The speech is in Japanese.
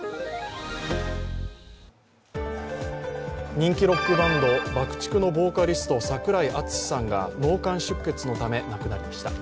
人気ロックバンドＢＵＣＫ−ＴＩＣＫのボーカリスト・櫻井敦司さんが脳幹出血のため亡くなりました。